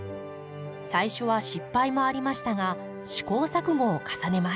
最初は失敗もありましたが試行錯誤を重ねます。